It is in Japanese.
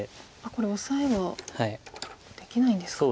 これオサエはできないんですか。